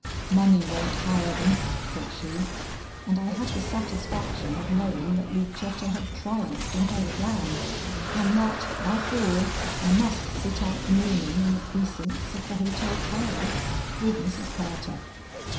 "Money won't hire them," said she, and I had the satisfaction of knowing that Lucetta had triumphed in her plan, and that, after all, I must sit out the morning in the precincts of the hotel parlor with Mrs. Carter.